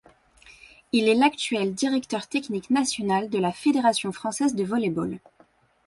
Il est l'actuel directeur technique national de la Fédération française de volley-ball.